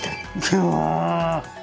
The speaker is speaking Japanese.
うわ。